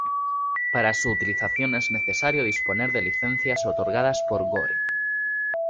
Para su utilización es necesario disponer de licencias otorgadas por Gore.